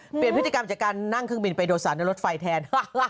เปลี่ยนพฤติกรรมจากการนั่งเครื่องบินไปโดยสารในรถไฟแทน